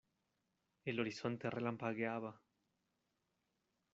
el horizonte relampagueaba.